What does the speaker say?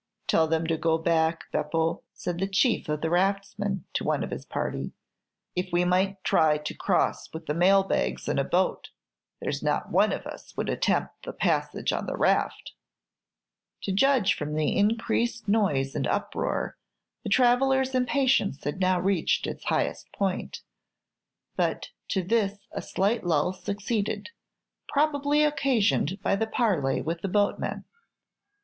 "Tell them to go back, Beppo," said the chief of the raftsmen to one of his party. "If we might try to cross with the mail bags in a boat, there's not one of us would attempt the passage on the raft." To judge from the increased noise and uproar, the travellers' impatience had now reached its highest point; but to this a slight lull succeeded, probably occasioned by the parley with the boatman.